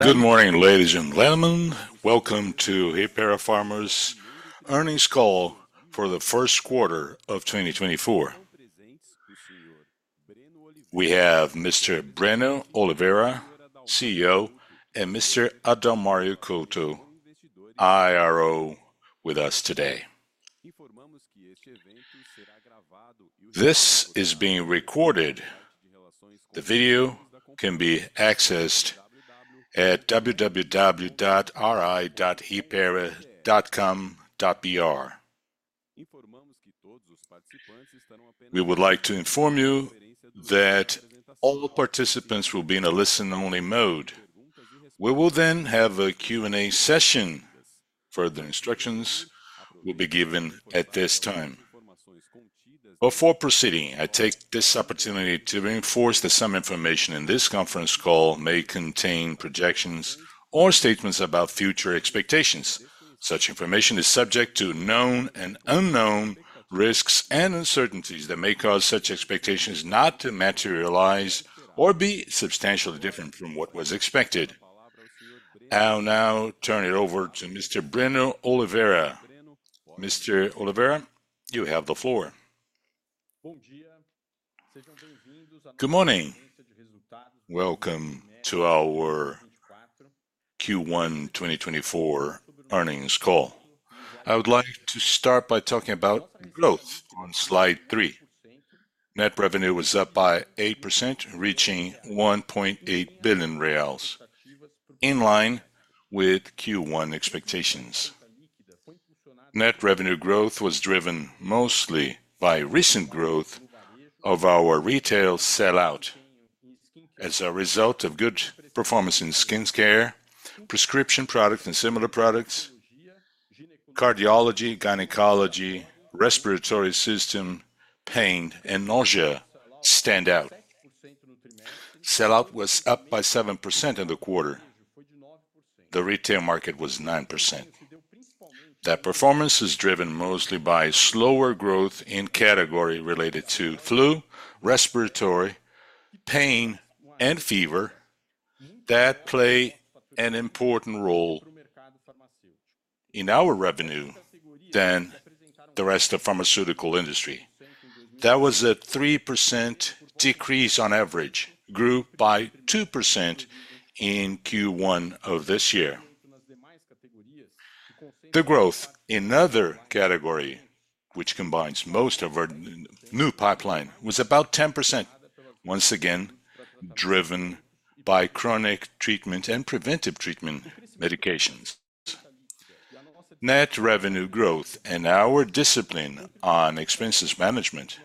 Good morning, ladies and gentlemen. Welcome to Hypera Pharma's earnings call for the Q1 of 2024. We have Mr. Breno Oliveira, CEO, and Mr. Adalmario Couto, IRO, with us today. This is being recorded. The video can be accessed at www.ri.hypera.com.br. We would like to inform you that all participants will be in a listen-only mode. We will then have a Q&A session. Further instructions will be given at this time. Before proceeding, I take this opportunity to reinforce that some information in this conference call may contain projections or statements about future expectations. Such information is subject to known and unknown risks and uncertainties that may cause such expectations not to materialize or be substantially different from what was expected. I'll now turn it over to Mr. Breno Oliveira.Mr. Oliveira, you have the floor. Good morning. Welcome to our Q1 2024 earnings call. I would like to start by talking about growth on slide 3. Net revenue was up by 8%, reaching 1.8 billion reais, in line with Q1 expectations. Net revenue growth was driven mostly by recent growth of our retail sell-out as a result of good performance in skin care, prescription products, and similar products. Cardiology, gynecology, respiratory system, pain, and nausea stand out. Sell-out was up by 7% in the quarter. The retail market was 9%. That performance is driven mostly by slower growth in categories related to flu, respiratory, pain, and fever that play an important role in our revenue than the rest of the pharmaceutical industry. That was a 3% decrease on average, grew by 2% in Q1 of this year. The growth in another category, which combines most of our new pipeline, was about 10%, once again driven by chronic treatment and preventive treatment medications. Net revenue growth and our discipline on expenses management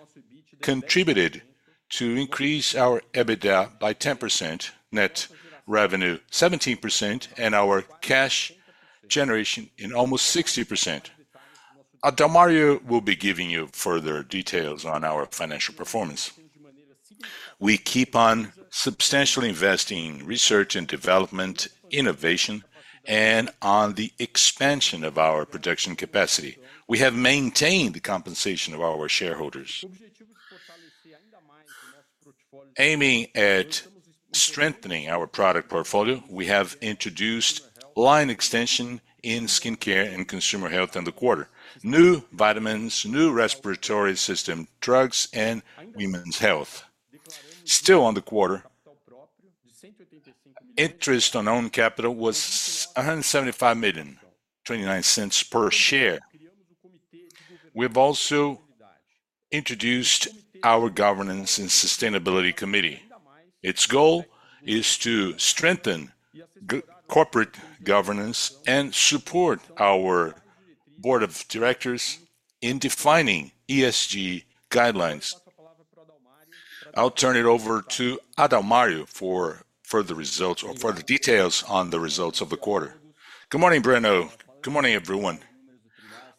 contributed to increase our EBITDA by 10%, net revenue 17%, and our cash generation in almost 60%. Adalmario will be giving you further details on our financial performance. We keep on substantially investing in research and development, innovation, and on the expansion of our production capacity. We have maintained the compensation of our shareholders. Aiming at strengthening our product portfolio, we have introduced line extension in skin care and consumer health in the quarter, new vitamins, new respiratory system drugs, and women's health. Still on the quarter, interest on owned capital was 175.29 per share. We've also introduced our governance and sustainability committee. Its goal is to strengthen corporate governance and support our board of directors in defining ESG guidelines. I'll turn it over to Adalmario for further results or further details on the results of the quarter. Good morning, Breno. Good morning, everyone.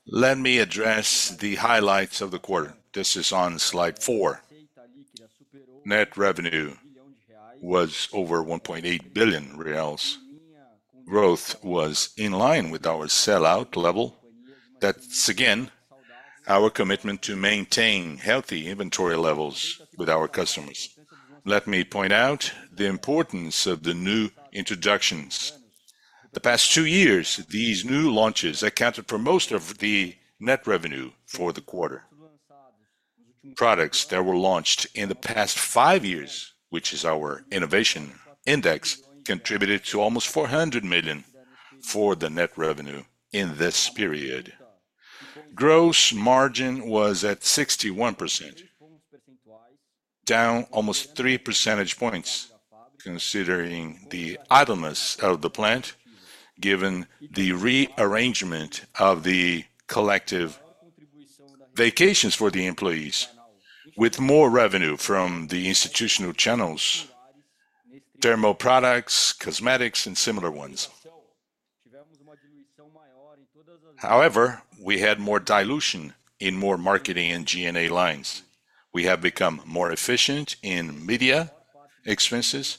Let me address the highlights of the quarter. This is on slide 4. Net revenue was over 1.8 billion reais. Growth was in line with our sell-out level. That's, again, our commitment to maintain healthy inventory levels with our customers. Let me point out the importance of the new introductions. The past two years, these new launches accounted for most of the net revenue for the quarter. Products that were launched in the past five years, which is our innovation index, contributed to almost 400 million for the net revenue in this period. Gross margin was at 61%, down almost 3 percentage points considering the idleness of the plant given the rearrangement of the collective vacations for the employees, with more revenue from the institutional channels: dermal products, cosmetics, and similar ones. However, we had more dilution in more marketing and G&A lines. We have become more efficient in media expenses,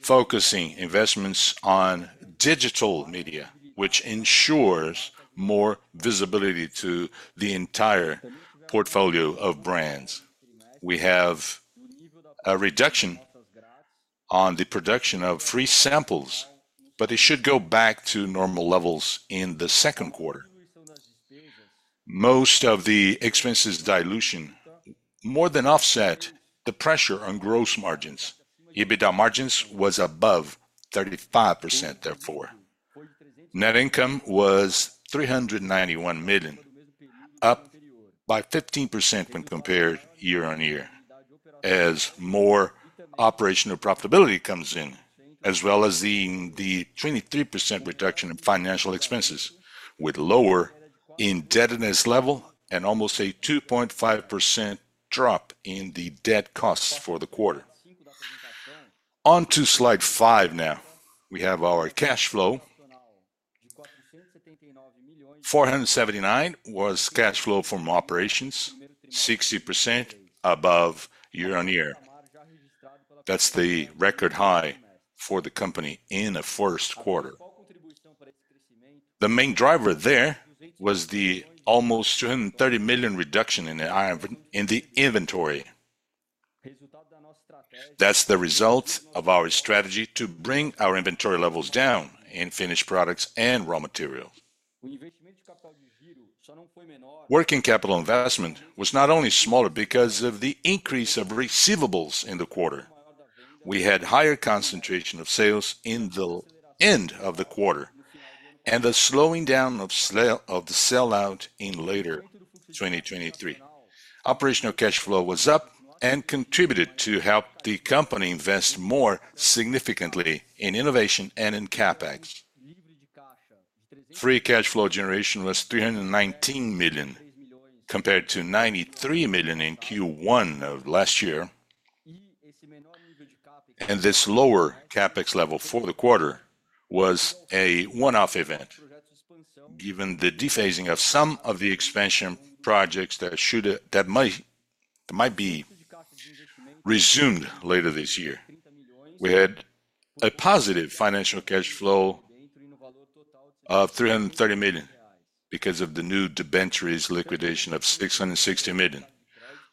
focusing investments on digital media, which ensures more visibility to the entire portfolio of brands. We have a reduction on the production of free samples, but it should go back to normal levels in the Q2. Most of the expenses dilution more than offset the pressure on gross margins. EBITDA margins were above 35%, therefore. Net income was 391 million, up by 15% when compared year-on-year, as more operational profitability comes in, as well as the 23% reduction in financial expenses, with lower indebtedness level and almost a 2.5% drop in the debt costs for the quarter. Onto slide 5 now. We have our cash flow. 479 million was cash flow from operations, 60% above year-on-year. That's the record high for the company in the Q1. The main driver there was the almost 230 million reduction in the inventory. That's the result of our strategy to bring our inventory levels down in finished products and raw materials. Working capital investment was not only smaller because of the increase of receivables in the quarter. We had higher concentration of sales in the end of the quarter and the slowing down of the sell-out in later 2023. Operational cash flow was up and contributed to help the company invest more significantly in innovation and in CapEx. Free cash flow generation was 319 million compared to 93 million in Q1 of last year. This lower CapEx level for the quarter was a one-off event, given the phasing of some of the expansion projects that might be resumed later this year. We had a positive financial cash flow of 330 million because of the new debentures liquidation of 660 million.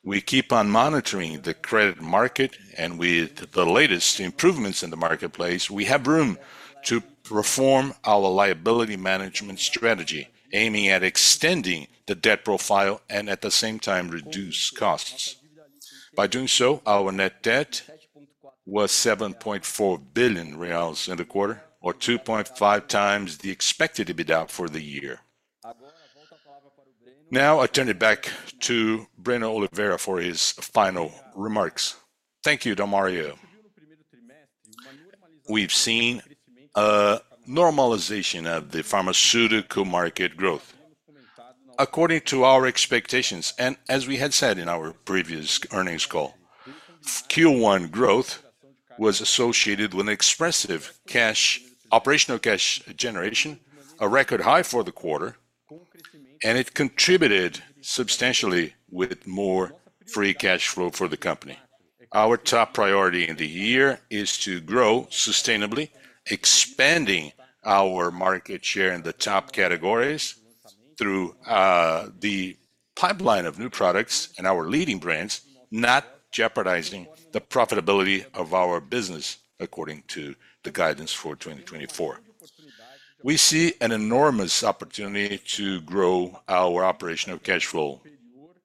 We keep on monitoring the credit market, and with the latest improvements in the marketplace, we have room to perform our liability management strategy, aiming at extending the debt profile and at the same time reduce costs. By doing so, our net debt was 7.4 billion reais in the quarter, or 2.5 times the expected EBITDA for the year. Now I'll turn it back to Breno Oliveira for his final remarks. Thank you, Adalmario. We've seen a normalization of the pharmaceutical market growth. According to our expectations, and as we had said in our previous earnings call, Q1 growth was associated with expressive operational cash generation, a record high for the quarter, and it contributed substantially with more free cash flow for the company. Our top priority in the year is to grow sustainably, expanding our market share in the top categories through the pipeline of new products and our leading brands, not jeopardizing the profitability of our business according to the guidance for 2024. We see an enormous opportunity to grow our operational cash flow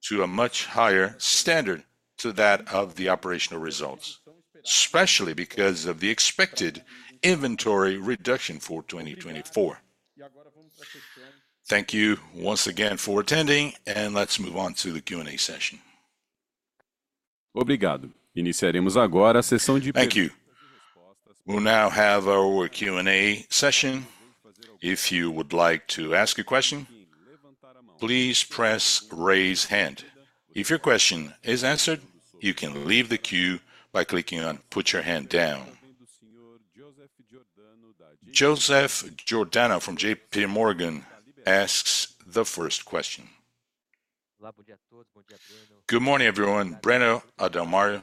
to a much higher standard than that of the operational results, especially because of the expected inventory reduction for 2024. Thank you once again for attending, and let's move on to the Q&A. Thank you. We will now have our Q&A session. If you would like to ask your question, please press raise hand. If your question is answered, you can leave the queue by clicking on put your hand down. Joseph Giordano from JP Morgan asks the first question. Good morning everyone. Adalmario, Breno.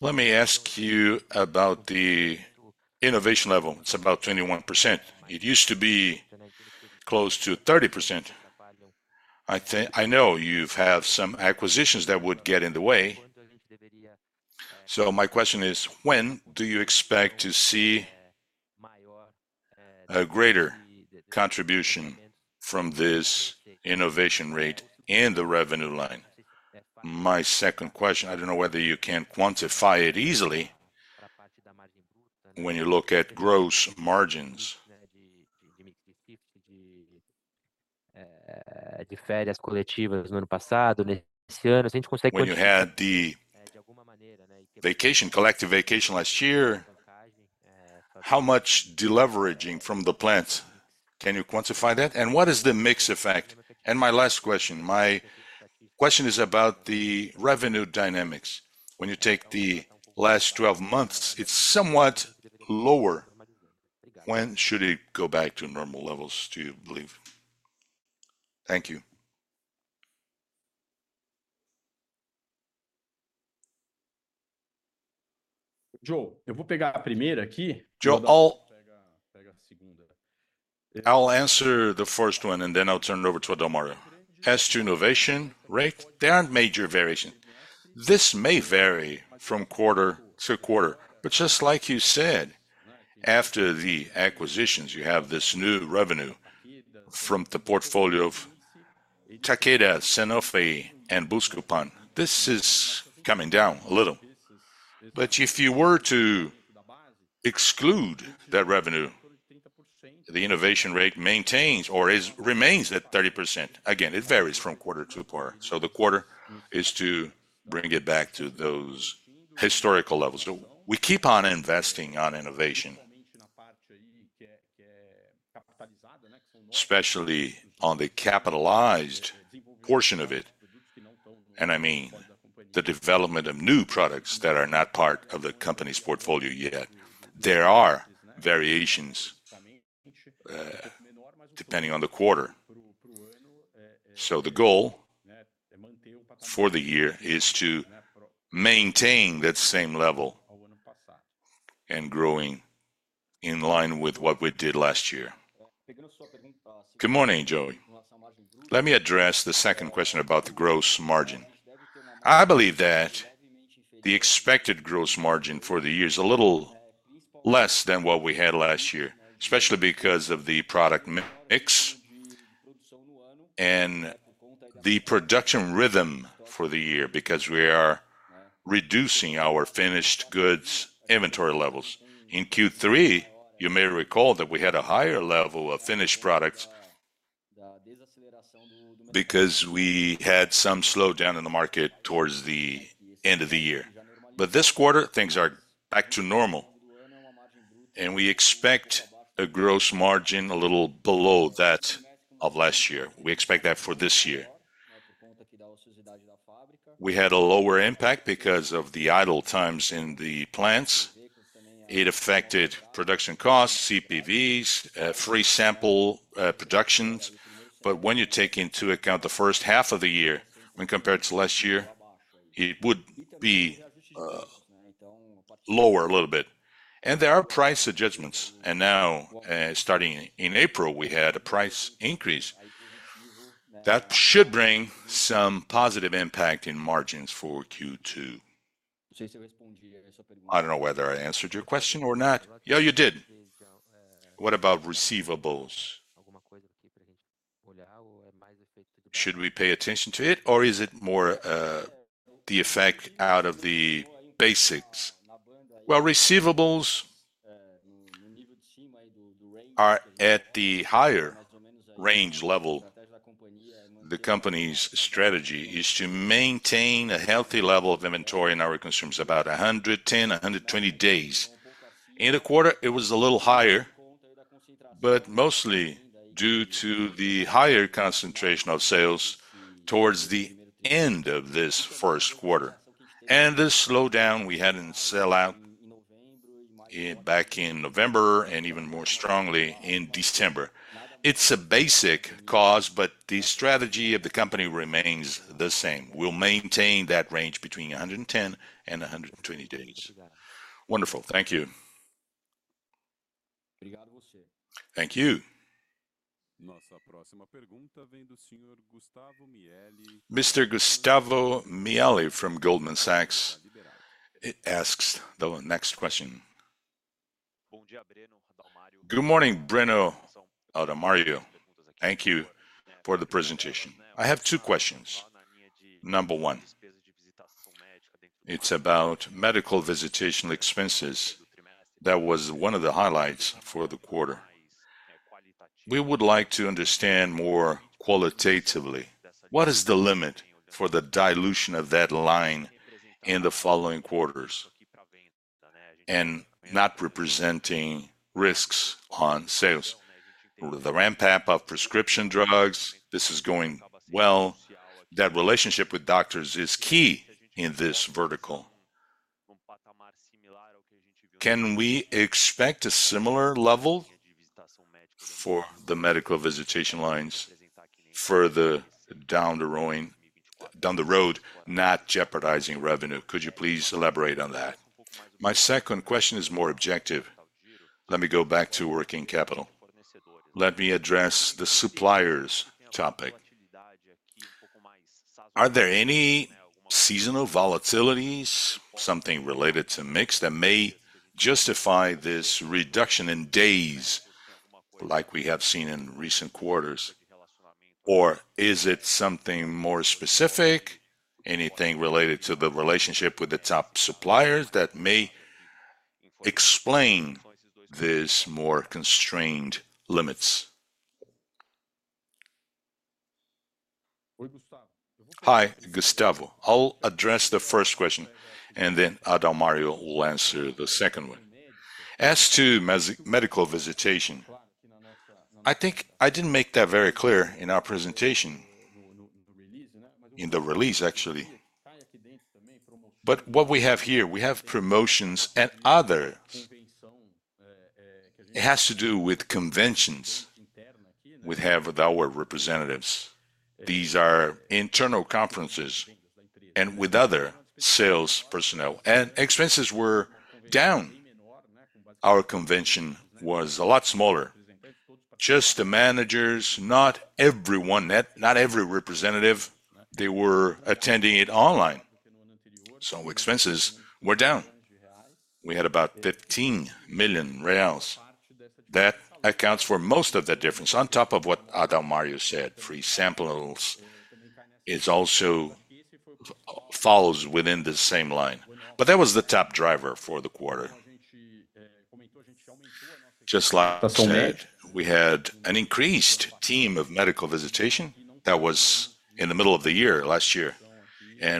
Let me ask you about the innovation levels of about 21%. It used to be close to 30%. I know you've had some acquisitions that would get in the way. So my question is, when do you expect to see a greater contribution from this innovation rate in the revenue line? My second question, I don't know whether you can quantify it easily when you look at gross margins. How much deleveraging from the plant? Can you quantify that? And what is the mix effect? And my last question. My question is about the revenue dynamics. When you take the last 12 months, it's somewhat lower. When should it go back to normal levels, do you believe? Thank you. I'll answer the first one, and then I'll turn it over to Adalmario. As to innovation rate, there aren't major variations. This may vary from quarter to quarter, but just like you said, after the acquisitions, you have this new revenue from the portfolio of Takeda, Sanofi, and Buscopan. This is coming down a little. But if you were to exclude that revenue, the innovation rate maintains or remains at 30%. Again, it varies from quarter to quarter. So the quarter is to bring it back to those historical levels. We keep on investing in innovation, especially on the capitalized portion of it, and I mean the development of new products that are not part of the company's portfolio yet. There are variations depending on the quarter. So the goal for the year is to maintain that same level and grow in line with what we did last year. Good morning, Joe. Let me address the second question about the gross margin. I believe that the expected gross margin for the year is a little less than what we had last year, especially because of the product mix and the production rhythm for the year, because we are reducing our finished goods inventory levels. In Q3, you may recall that we had a higher level of finished products because we had some slowdown in the market towards the end of the year. But this quarter, things are back to normal, and we expect a gross margin a little below that of last year. We expect that for this year. We had a lower impact because of the idle times in the plants. It affected production costs, CPVs, free sample productions. But when you take into account the first half of the year when compared to last year, it would be lower a little bit. And there are price adjustments. Now, starting in April, we had a price increase. That should bring some positive impact in margins for Q2. I don't know whether I answered your question or not. Yeah, you did. What about receivables? Should we pay attention to it, or is it more the effect out of the basics? Well, receivables are at the higher range level. The company's strategy is to maintain a healthy level of inventory in our consumers about 110, 120 days. In the quarter, it was a little higher, but mostly due to the higher concentration of sales towards the end of this Q1 and the slowdown we had in sell-out back in November and even more strongly in December. It's a basic cause, but the strategy of the company remains the same. We'll maintain that range between 110 and 120 days. Wonderful. Thank you. Thank you. Mr. Gustavo Miele from Goldman Sachs asks the next question. Good morning, Breno, Adalmario. Thank you for the presentation. I have two questions. Number one, it's about medical visitation expenses. That was one of the highlights for the quarter. We would like to understand more qualitatively. What is the limit for the dilution of that line in the following quarters and not representing risks on sales? The ramp-up of prescription drugs. This is going well. That relationship with doctors is key in this vertical. Can we expect a similar level for the medical visitation lines further down the road, not jeopardizing revenue? Could you please elaborate on that? My second question is more objective. Let me go back to working capital. Let me address the suppliers topic. Are there any seasonal volatilities, something related to mix, that may justify this reduction in days like we have seen in recent quarters? Or is it something more specific, anything related to the relationship with the top suppliers that may explain these more constrained limits? Hi, Gustavo. I'll address the first question, and then Adalmario will answer the second one. As to medical visitation, I think I didn't make that very clear in our presentation, in the release, actually. But what we have here, we have promotions and others. It has to do with conventions we have with our representatives. These are internal conferences and with other sales personnel. And expenses were down. Our convention was a lot smaller. Just the managers, not everyone, not every representative, they were attending it online. So expenses were down. We had about 15 million reais. That accounts for most of that difference on top of what Adalmario said. Free samples also falls within the same line. But that was the top driver for the quarter. Just last year, we had an increased team of medical visitation that was in the middle of the year last year.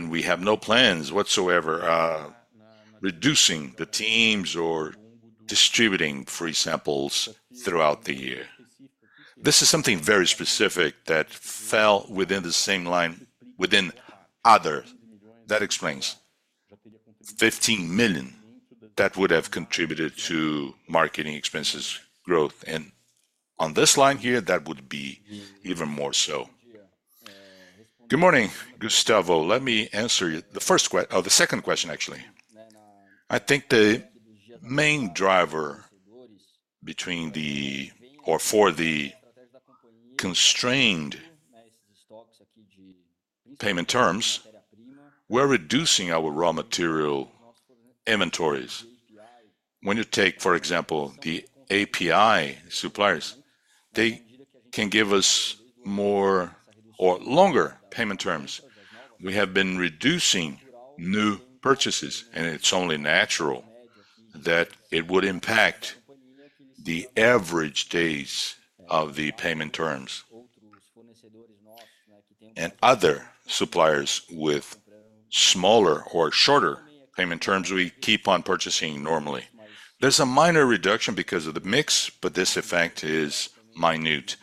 We have no plans whatsoever reducing the teams or distributing free samples throughout the year. This is something very specific that fell within the same line within other. That explains 15 million that would have contributed to marketing expenses growth. On this line here, that would be even more so. Good morning, Gustavo. Let me answer the second question, actually. I think the main driver between the or for the constrained payment terms, we're reducing our raw material inventories. When you take, for example, the API suppliers, they can give us more or longer payment terms. We have been reducing new purchases, and it's only natural that it would impact the average days of the payment terms. Other suppliers with smaller or shorter payment terms, we keep on purchasing normally. There's a minor reduction because of the mix, but this effect is minute.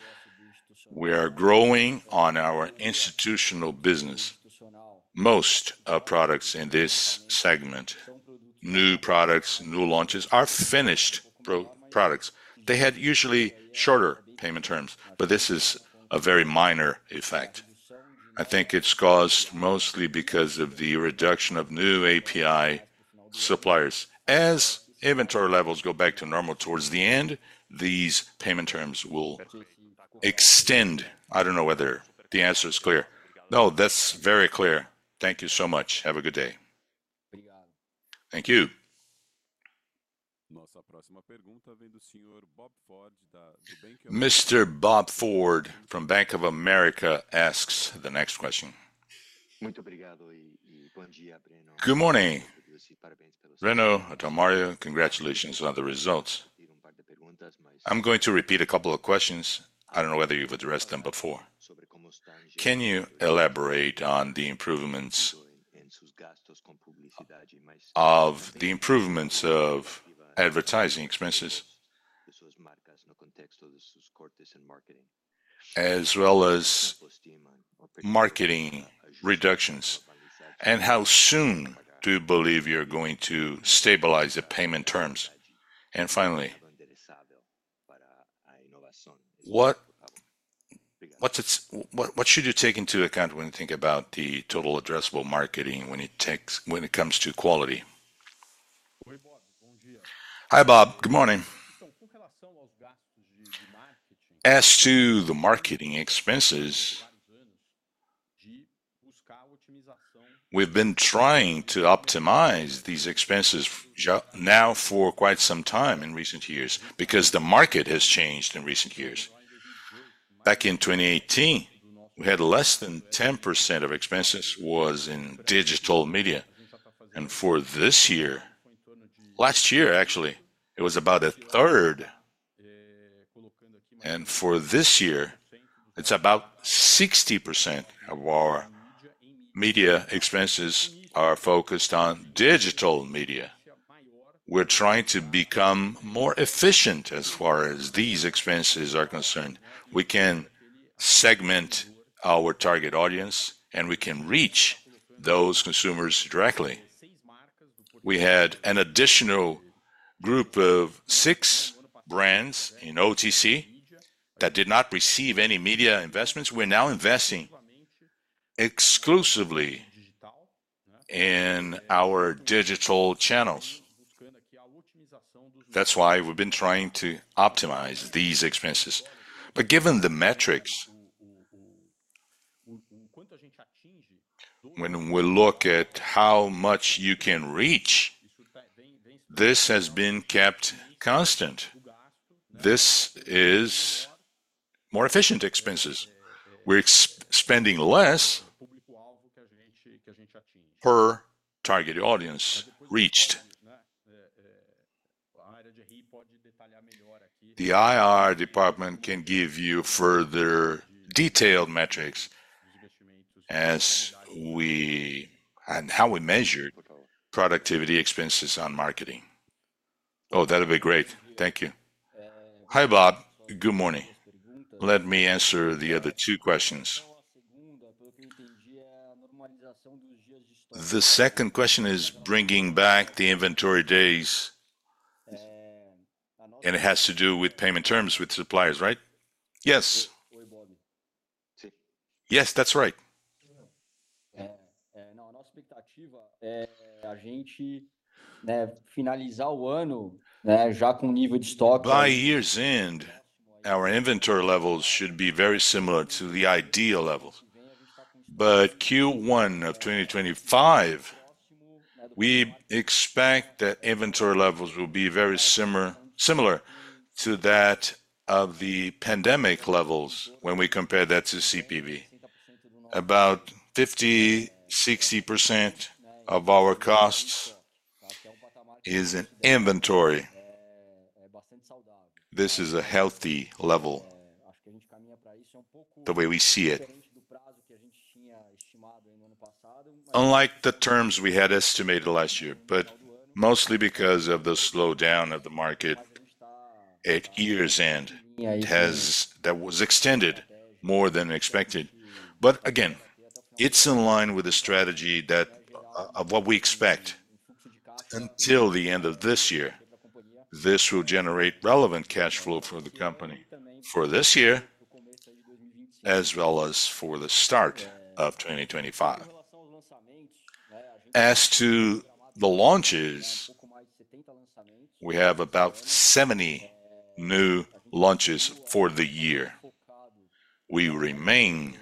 We are growing on our institutional business. Most of the products in this segment, new products, new launches, are finished products. They had usually shorter payment terms, but this is a very minor effect. I think it's caused mostly because of the reduction of new API suppliers. As inventory levels go back to normal towards the end, these payment terms will extend. I don't know whether the answer is clear. No, that's very clear. Thank you so much. Have a good day. Thank you. Mr. Bob Ford from Bank of America asks the next question. Good morning, Breno, Adalmario. Congratulations on the results. I'm going to repeat a couple of questions. I don't know whether you've addressed them before. Can you elaborate on the improvements of the advertising expenses, as well as marketing reductions, and how soon do you believe you're going to stabilize the payment terms? And finally, what should you take into account when you think about the total addressable marketing when it comes to quality? Hi Bob. Good morning. As to the marketing expenses, we've been trying to optimize these expenses now for quite some time in recent years because the market has changed in recent years. Back in 2018, we had less than 10% of expenses was in digital media. And for this year, last year, actually, it was about a third. And for this year, it's about 60% of our media expenses are focused on digital media. We're trying to become more efficient as far as these expenses are concerned. We can segment our target audience, and we can reach those consumers directly. We had an additional group of six brands in OTC that did not receive any media investments. We're now investing exclusively in our digital channels. That's why we've been trying to optimize these expenses. But given the metrics, when we look at how much you can reach, this has been kept constant. This is more efficient expenses. We're spending less per target audience reached. The IR department can give you further detailed metrics as we and how we measure productivity expenses on marketing. Oh, that would be great. Thank you. Hi Bob. Good morning. Let me answer the other two questions. The second question is bringing back the inventory days, and it has to do with payment terms with suppliers, right? Yes. Yes, that's right. But Q1 of 2025, we expect that inventory levels will be very similar to that of the pandemic levels when we compare that to CPV. About 50% to 60% of our costs is in inventory. This is a healthy level. The way we see it, unlike the terms we had estimated last year, but mostly because of the slowdown of the market at years' end, that was extended more than expected. But again, it's in line with the strategy of what we expect. Until the end of this year, this will generate relevant cash flow for the company for this year as well as for the start of 2025. As to the launches, we have about 70 new launches for the year. We remain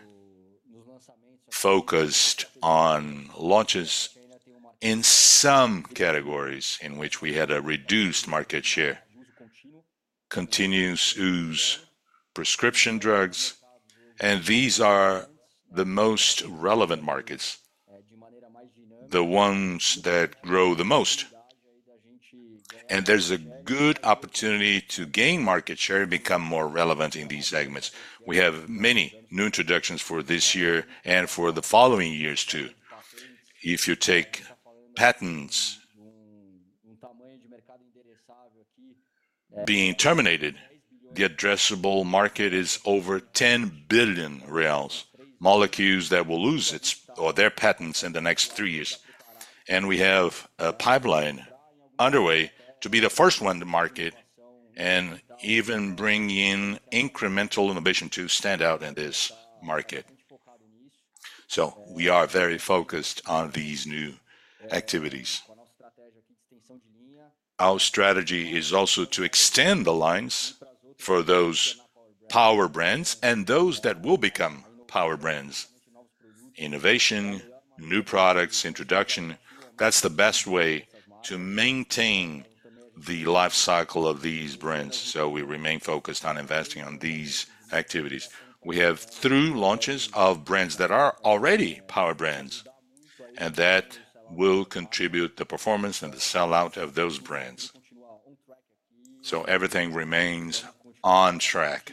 focused on launches in some categories in which we had a reduced market share: continuous prescription drugs. And these are the most relevant markets, the ones that grow the most. And there's a good opportunity to gain market share and become more relevant in these segments. We have many new introductions for this year and for the following years too. If you take patents being terminated, the addressable market is over 10 billion reais, molecules that will lose their patents in the next three years. And we have a pipeline underway to be the first one in the market and even bring in incremental innovation to stand out in this market. So we are very focused on these new activities. Our strategy is also to extend the lines for those power brands and those that will become power brands. Innovation, new products, introduction. That's the best way to maintain the lifecycle of these brands. So we remain focused on investing in these activities. We have three launches of brands that are already power brands, and that will contribute to the performance and the sell-out of those brands. So everything remains on track,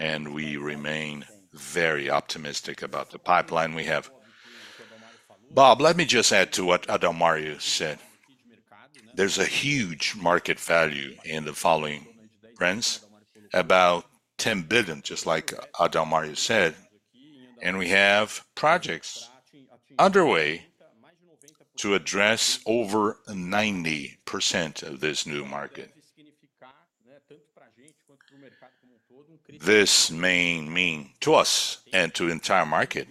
and we remain very optimistic about the pipeline we have. Bob, let me just add to what Adalmario said. There's a huge market value in the following brands, about R$ 10 billion, just like Adalmario said. And we have projects underway to address over 90% of this new market. This may mean to us and to the entire market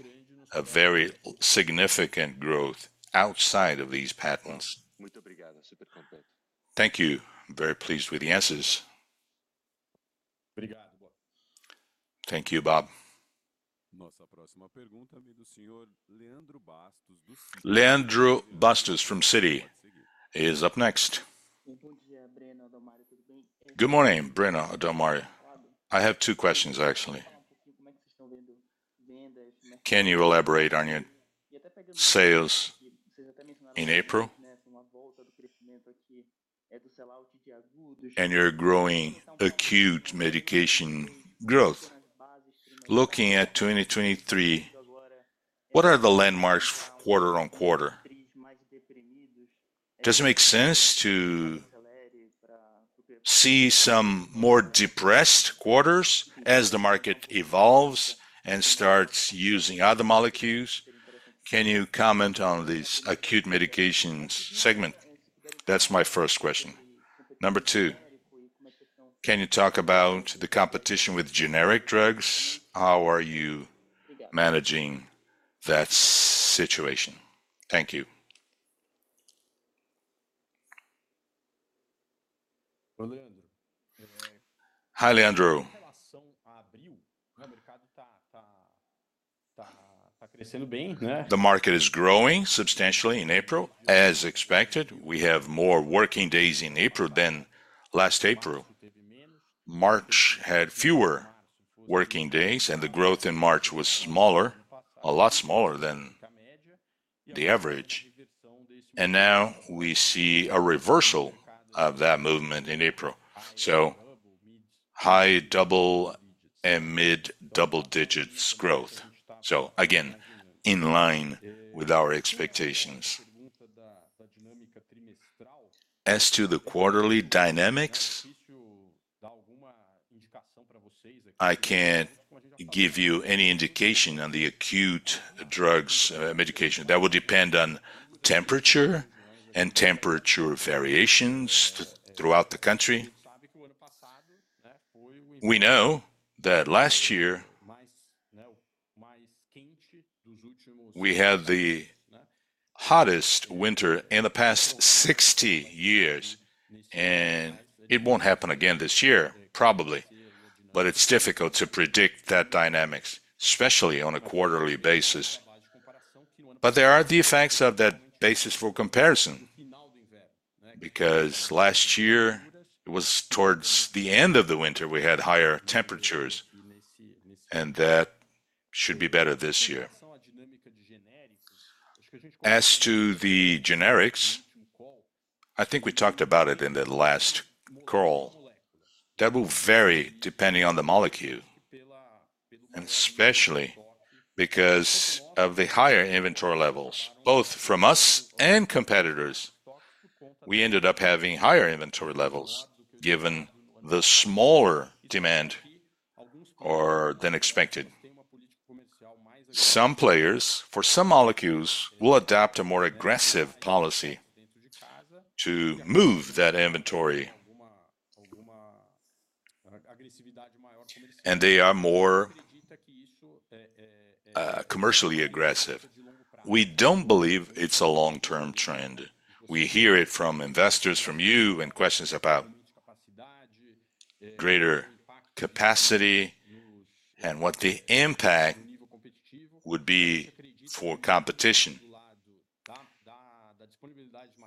a very significant growth outside of these patents. Thank you. Very pleased with the answers. Thank you, Bob. Leandro Bastos from Citi is up next. Good morning, Breno, Adalmario. I have two questions, actually. Can you elaborate on them in April? And on your growing acute medication growth. Looking at 2023, what are the landmarks quarter-on-quarter? Does it make sense to see some more depressed quarters as the market evolves and starts using other molecules? Can you comment on this acute medications segment? That's my first question. Number two, can you talk about the competition with generic drugs? How are you managing that situation? Thank you. Hi Leandro. The market is growing substantially in April. As expected, we have more working days in April than last April. March had fewer working days, and the growth in March was smaller, a lot smaller than the average. And now we see a reversal of that movement in April. So high double and mid double digits growth. So again, in line with our expectations. As to the quarterly dynamics, I can't give you any indication on the acute drugs medication. That will depend on temperature and temperature variations throughout the country. We know that last year, we had the hottest winter in the past 60 years, and it won't happen again this year, probably. But it's difficult to predict that dynamics, especially on a quarterly basis. But there are the effects of that basis for comparison because last year, it was towards the end of the winter we had higher temperatures, and that should be better this year. As to the generics, I think we talked about it in the last call. That will vary depending on the molecule, especially because of the higher inventory levels. Both from us and competitors, we ended up having higher inventory levels given the smaller demand than expected. Some players, for some molecules, will adopt a more aggressive policy to move that inventory, and they are more commercially aggressive. We don't believe it's a long-term trend. We hear it from investors, from you, and questions about greater capacity and what the impact would be for competition.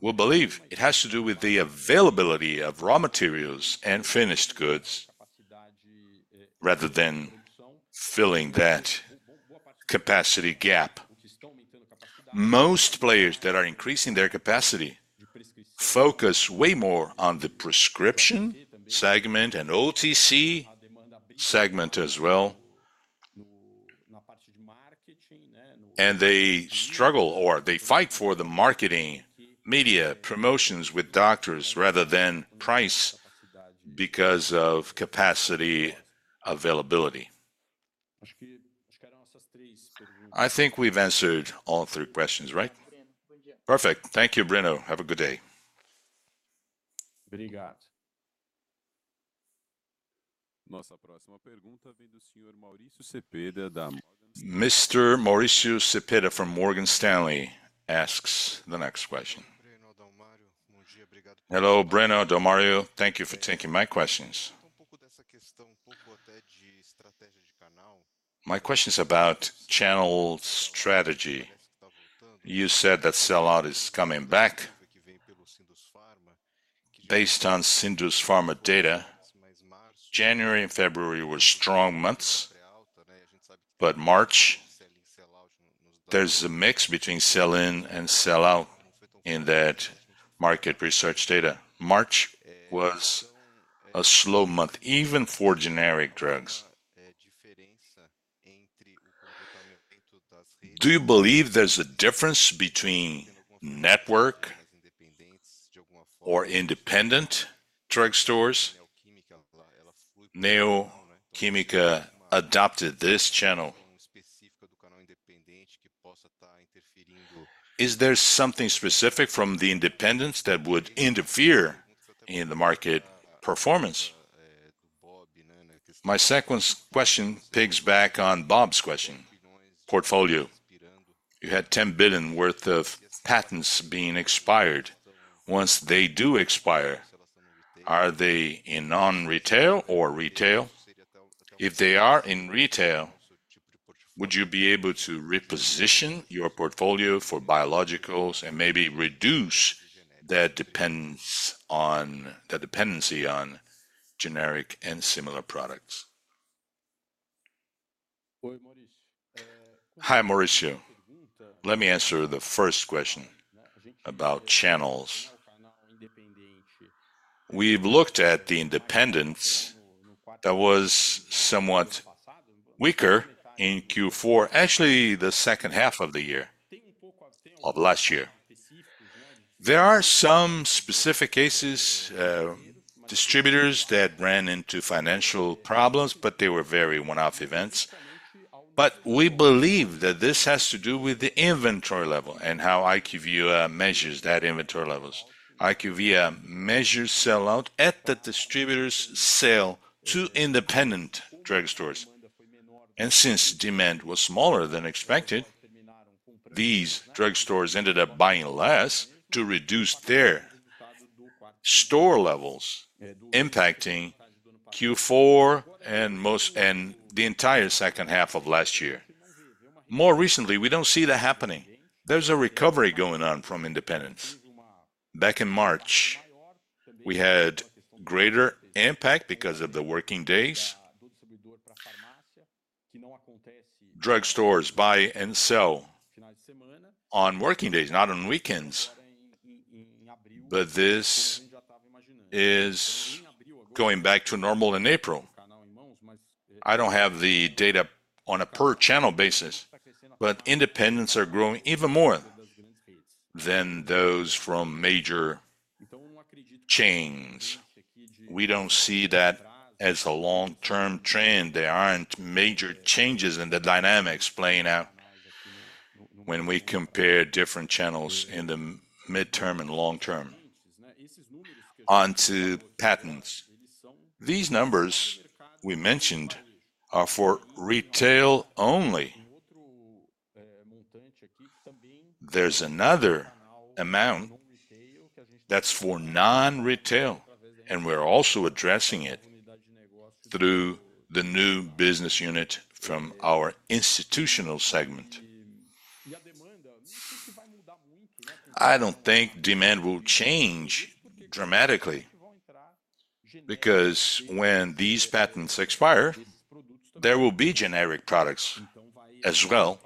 We'll believe it has to do with the availability of raw materials and finished goods rather than filling that capacity gap. Most players that are increasing their capacity focus way more on the prescription segment and OTC segment as well. They struggle or they fight for the marketing media promotions with doctors rather than price because of capacity availability. I think we've answered all three questions, right? Perfect. Thank you, Breno. Have a good day. Mr. Maurício Cepeda from Morgan Stanley asks the next question. Hello, Breno, Adalmario. Thank you for taking my questions. My question is about channel strategy. You said that sell-out is coming back based on IQVIA data. January and February were strong months, but March there's a mix between sell-in and sell-out in that market research data. March was a slow month even for generic drugs. Do you believe there's a difference between network or independent drug stores? Neo Química adopted this channel. Is there something specific from the independents that would interfere in the market performance? My second question piggybacks on Bob's question. Portfolio. You had 10 billion worth of patents being expired. Once they do expire, are they in non-retail or retail? If they are in retail, would you be able to reposition your portfolio for biologicals and maybe reduce that dependency on generic and similar products? Hi Maurício. Let me answer the first question about channels. We've looked at the independents that was somewhat weaker in Q4, actually the second half of the year of last year. There are some specific cases, distributors that ran into financial problems, but they were very one-off events. But we believe that this has to do with the inventory level and how IQVIA measures that inventory levels. IQVIA measures sell-out at the distributors' sales to independent drug stores. Since demand was smaller than expected, these drug stores ended up buying less to reduce their store levels impacting Q4 and the entire second half of last year. More recently, we don't see that happening. There's a recovery going on from independents. Back in March, we had greater impact because of the working days. Drug stores buy and sell on working days, not on weekends. But this is going back to normal in April. I don't have the data on a per-channel basis, but independents are growing even more than those from major chains. We don't see that as a long-term trend. There aren't major changes in the dynamics playing out when we compare different channels in the mid-term and long-term onto patents. These numbers we mentioned are for retail only. There's another amount that's for non-retail, and we're also addressing it through the new business unit from our institutional segment. I don't think demand will change dramatically because when these patents expire, there will be generic products as well.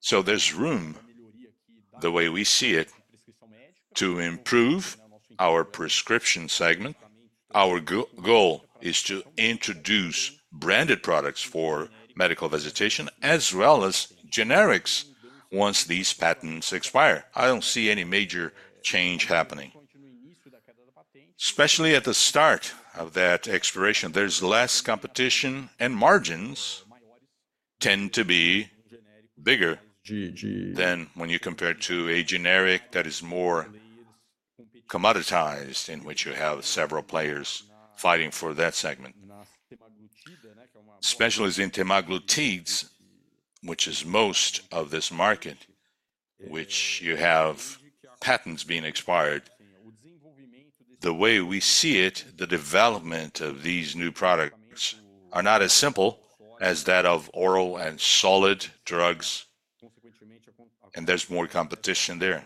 So there's room, the way we see it, to improve our prescription segment. Our goal is to introduce branded products for medical visitation as well as generics once these patents expire. I don't see any major change happening. Especially at the start of that expiration, there's less competition, and margins tend to be bigger than when you compare to a generic that is more commoditized in which you have several players fighting for that segment. Specialty in semaglutide, which is most of this market, which you have patents being expired. The way we see it, the development of these new products are not as simple as that of oral and solid drugs, and there's more competition there.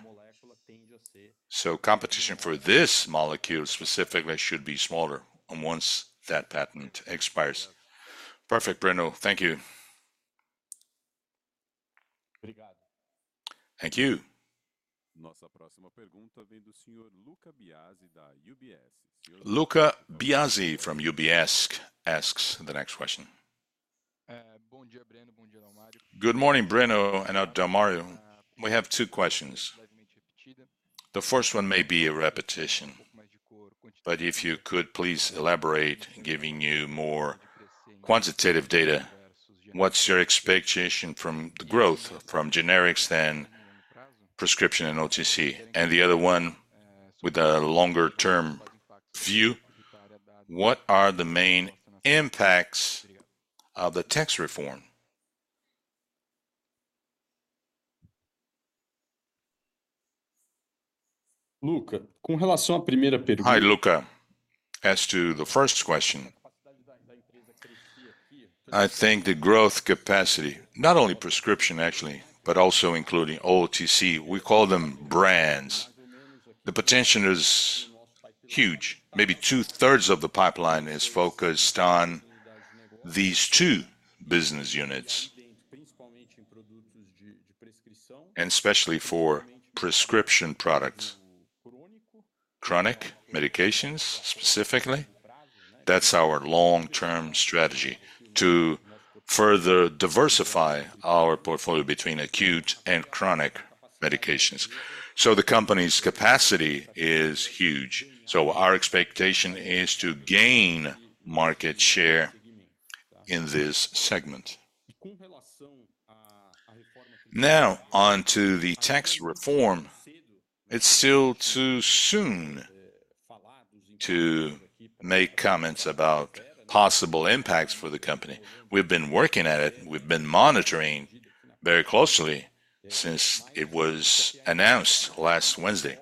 So competition for this molecule specifically should be smaller once that patent expires. Perfect, Breno. Thank you. Thank you. Luca Biasi from UBS asks the next question. Good morning, Breno and Adalmario. We have two questions. The first one may be a repetition, but if you could please elaborate, giving you more quantitative data. What's your expectation from the growth from generics than prescription and OTC? And the other one with a longer-term view, what are the main impacts of the tax reform? Hi Luca. As to the first question, I think the growth capacity, not only prescription actually, but also including OTC, we call them brands. The potential is huge. Maybe two-thirds of the pipeline is focused on these two business units, and especially for prescription products. Chronic medications specifically, that's our long-term strategy to further diversify our portfolio between acute and chronic medications. The company's capacity is huge. Our expectation is to gain market share in this segment. Now onto the tax reform, it's still too soon to make comments about possible impacts for the company. We've been working at it. We've been monitoring very closely since it was announced last Wednesday.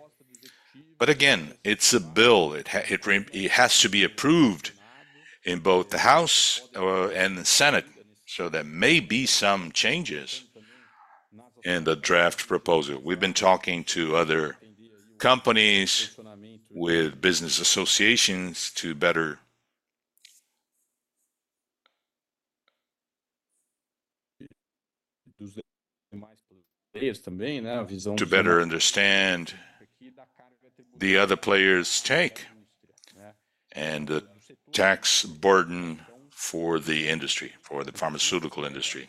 But again, it's a bill. It has to be approved in both the House and the Senate. So there may be some changes in the draft proposal. We've been talking to other companies with business associations to better understand the other players' take and the tax burden for the industry, for the pharmaceutical industry.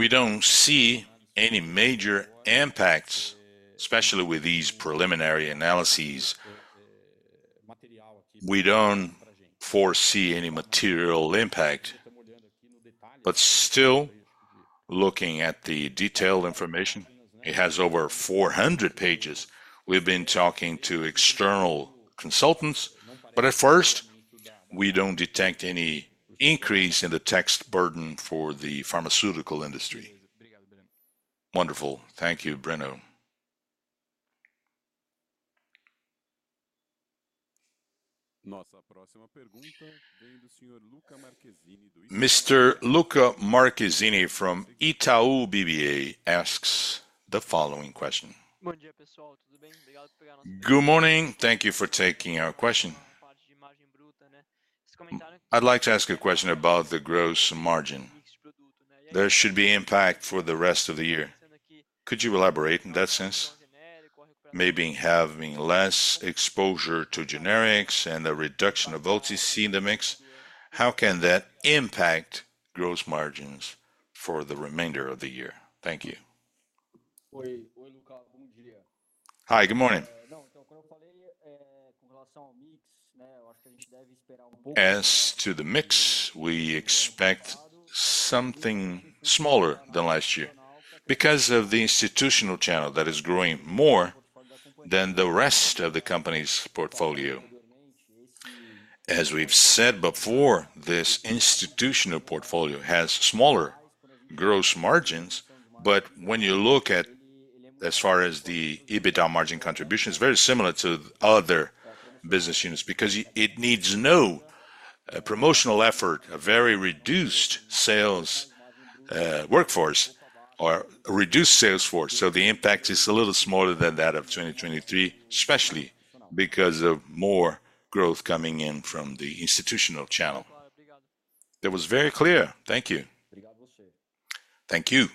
We don't see any major impacts, especially with these preliminary analyses. We don't foresee any material impact, but still looking at the detailed information, it has over 400 pages. We've been talking to external consultants, but at first, we don't detect any increase in the tax burden for the pharmaceutical industry. Wonderful. Thank you, Breno. Mr. Luca Marquezini from Itaú BBA asks the following question. Good morning. Thank you for taking our question. I'd like to ask a question about the gross margin. There should be impact for the rest of the year. Could you elaborate in that sense? Maybe having less exposure to generics and the reduction of OTC in the mix, how can that impact gross margins for the remainder of the year? Thank you. Hi. Good morning. Não, então quando eu falei com relação ao mix, eu acho que a gente deve esperar pouco. As to the mix, we expect something smaller than last year because of the institutional channel that is growing more than the rest of the company's portfolio. As we've said before, this institutional portfolio has smaller gross margins, but when you look at as far as the EBITDA margin contribution, it's very similar to other business units because it needs no promotional effort, a very reduced sales workforce or reduced sales force. So the impact is a little smaller than that of 2023, especially because of more growth coming in from the institutional channel. That was very clear. Thank you. Thank you.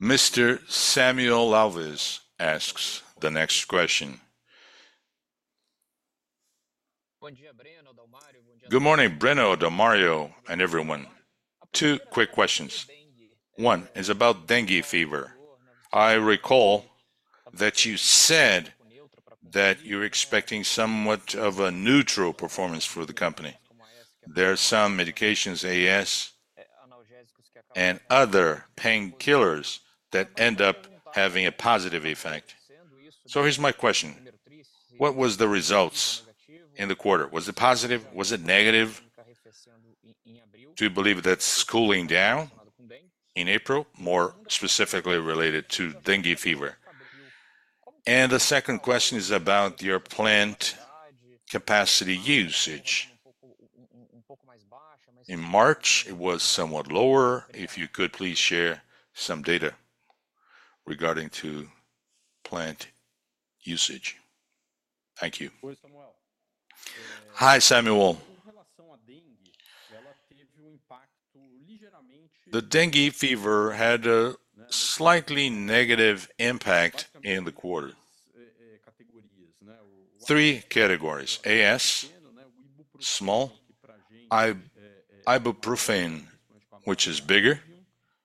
Mr. Samuel Alves asks the next question. Good morning, Breno, Adalmario and everyone. Two quick questions. One is about dengue fever. I recall that you said that you're expecting somewhat of a neutral performance for the company. There are some medications, AAS, and other painkillers that end up having a positive effect. So here's my question. What was the results in the quarter? Was it positive? Was it negative? Do you believe that's cooling down in April? More specifically related to dengue fever. And the second question is about your plant capacity usage. In March, it was somewhat lower. If you could please share some data regarding plant usage. Thank you. Hi Samuel. Com relação à dengue, ela teve impacto ligeiramente. The dengue fever had a slightly negative impact in the quarter. Three categories. AAS, small ibuprofen, which is bigger,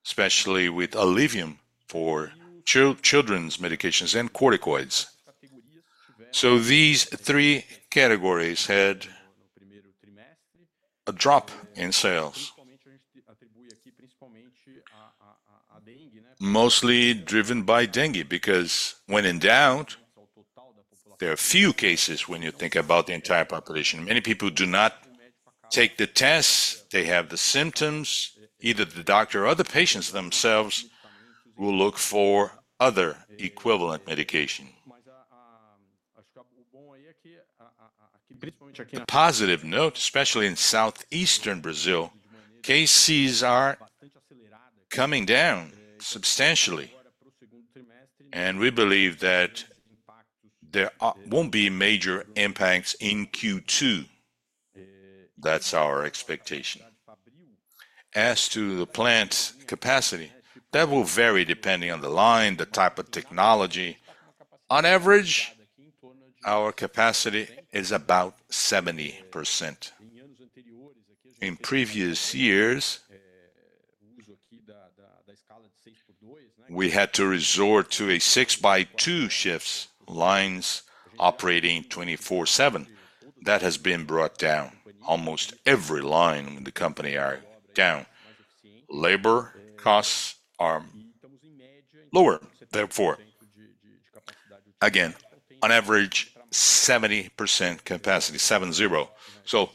especially with Alivium for children's medications and corticoids. So these three categories had a drop in sales. Mostly driven by dengue because when in doubt, there are few cases when you think about the entire population. Many people do not take the tests. They have the symptoms. Either the doctor or the patients themselves will look for other equivalent medication. The positive note, especially in southeastern Brazil, cases are coming down substantially, and we believe that there won't be major impacts in Q2. That's our expectation. As to the plant capacity, that will vary depending on the line, the type of technology. On average, our capacity is about 70%. In previous years, we had to resort to a 6x2 shifts. Lines operating 24/7, that has been brought down. Almost every line in the company are down. Labor costs are lower. Therefore, again, on average, 70% capacity, 7-0. So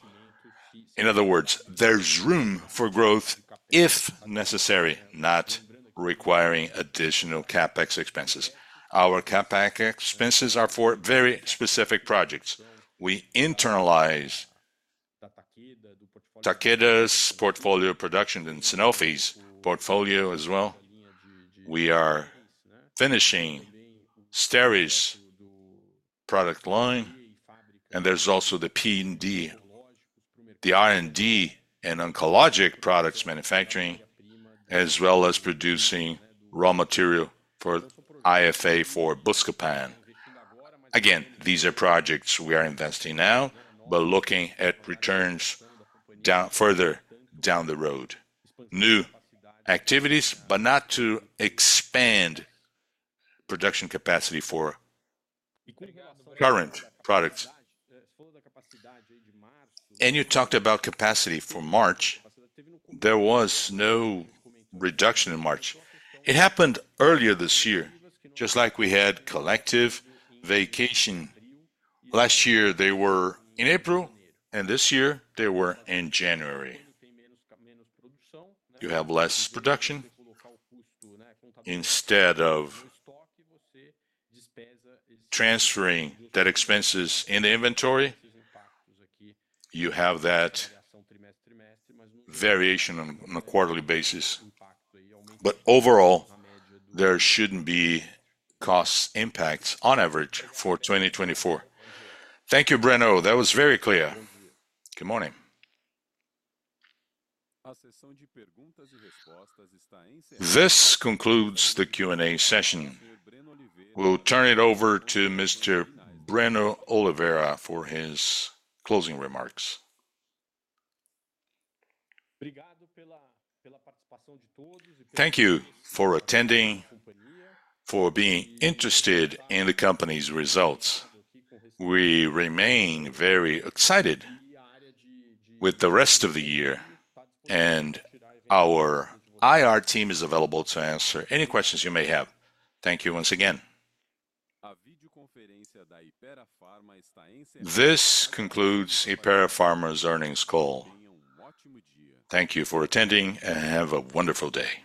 in other words, there's room for growth if necessary, not requiring additional CapEx expenses. Our CapEx expenses are for very specific projects. We internalize Takeda's portfolio production and Sanofi's portfolio as well. We are finishing Steriles product line, and there's also the P&D, the R&D and oncologic products manufacturing, as well as producing raw material for IFA for Buscopan. Again, these are projects we are investing now, but looking at returns further down the road. New activities, but not to expand production capacity for current products. You talked about capacity for March. There was no reduction in March. It happened earlier this year, just like we had collective vacation. Last year, they were in April, and this year, they were in January. You have less production instead of transferring that expenses in the inventory. You have that variation on a quarterly basis. But overall, there shouldn't be cost impacts on average for 2024. Thank you, Breno. That was very clear. Good morning. This concludes the Q&A session. We'll turn it over to Mr. Breno Oliveira for his closing remarks. Thank you for attending, for being interested in the company's results. We remain very excited with the rest of the year, and our IR team is available to answer any questions you may have. Thank you once again. This concludes Hypera Pharma's earnings call. Thank you for attending and have a wonderful day.